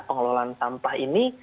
pengelolaan sampah ini